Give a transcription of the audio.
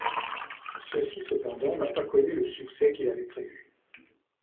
Ceci, cependant, n'a pas connu le succès qu'il avait prévu.